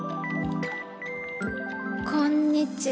「こんにちは。